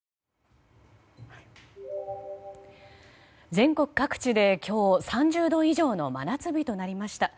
全国各地で今日３０度以上の真夏日となりました。